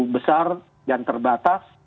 besar dan terbatas